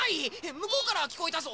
むこうからきこえたぞ。